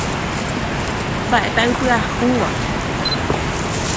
Mba'épa ipyahúva.